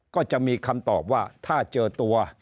ก็จะมีคำตอบว่าถ้าเจอตัว